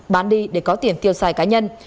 bán đi để có tiền tiêu xài cá nhân